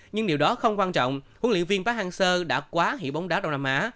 nhưng điều đó không quan trọng huấn luyện viên park hang seo đã quá hiệu bóng đá đông nam á